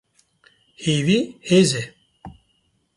Hêvî, hêz e.